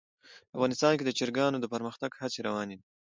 افغانستان کې د چرګانو د پرمختګ هڅې روانې دي.